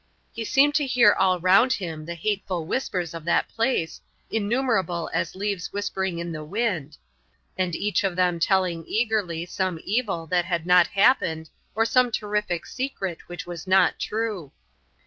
He seemed to hear all round him the hateful whispers of that place, innumerable as leaves whispering in the wind, and each of them telling eagerly some evil that had not happened or some terrific secret which was not true.